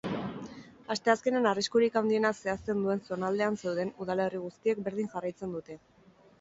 Asteazkenean arriskurik handiena zehazten duen zonaldean zeuden udalerri guztiek berdin jarraitzen dute.